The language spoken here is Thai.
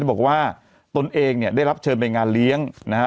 บอกว่าตนเองเนี่ยได้รับเชิญไปงานเลี้ยงนะฮะ